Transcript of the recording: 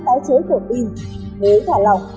tái chế tổng in thế thả lỏng